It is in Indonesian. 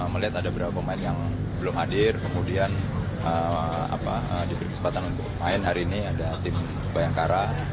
melihat ada beberapa pemain yang belum hadir kemudian diberi kesempatan untuk main hari ini ada tim bayangkara